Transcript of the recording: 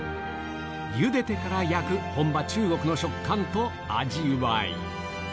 ゆでてから焼く、本場中国の食感と味わい。